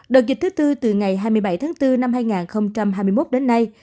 đợt dịch thứ tư từ ngày hai mươi bảy tháng bốn năm hai nghìn hai mươi một đến nay